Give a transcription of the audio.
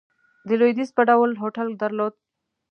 د لوېدیځ په ډول هوټل درلود.